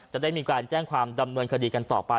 จะได้มีการแจ้งความดำเนินคดีกันต่อไป